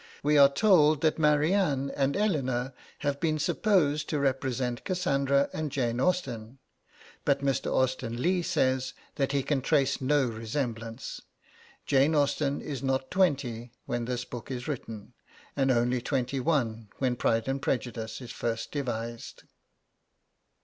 We are told that Marianne and Ellinor have been supposed to represent Cassandra and Jane Austen; but Mr. Austen Legh says that he can trace no resemblance. Jane Austen is not twenty when this book is written, and only twenty one when 'Pride and Prejudice' is first devised.